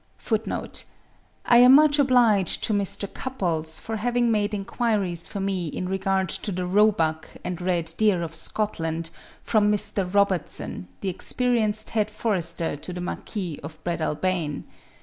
(39. I am much obliged to Mr. Cupples for having made enquiries for me in regard to the Roebuck and Red Deer of Scotland from Mr. Robertson, the experienced head forester to the Marquis of Breadalbane.